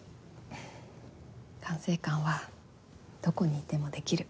管制官はどこにいてもできる。